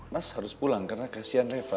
mas harus pulang karena kasihan reva